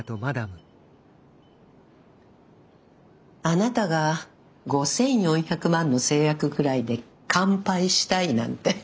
あなたが５，４００万の成約くらいで乾杯したいなんて意外ね。